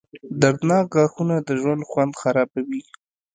• دردناک غاښونه د ژوند خوند خرابوي.